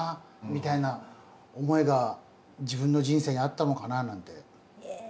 みたいな思いが自分の人生にあったのかななんて。